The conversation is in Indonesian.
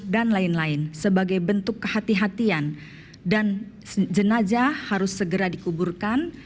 dan lain lain sebagai bentuk kehatian dan jenajah harus segera dikuburkan